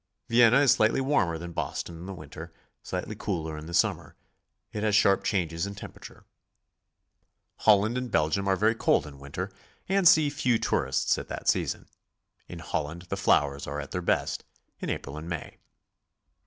Vienna is slightly warmer than Boston in the winter, slightly cooler in the summer. It has sharp changes in tem perature. Holland and Belgium are very cold in winter, and see GOING ABROAD? i6 few tourists at that season. In Holland the flowers are at their best in April and May.